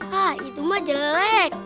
hah itu mah jelek